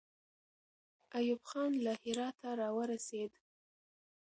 ایوب خان له هراته راورسېد.